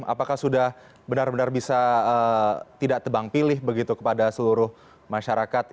apakah sudah benar benar bisa tidak tebang pilih begitu kepada seluruh masyarakat